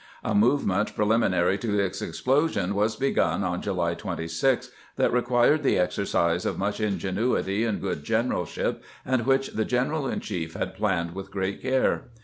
A movement preliminary to its explosion was begun on July 26, that required the exercise of much ingenuity and good generalship, and which the general in chief had planned with great care.